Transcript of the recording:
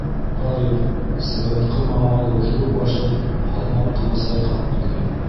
Ғариф сығынҡы маңлайлы ҙур башын һалмаҡ ҡына сайҡап ҡуйҙы: